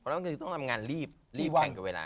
เพราะว่าเรามีการทำงานรีบรีบแทนกับเวลา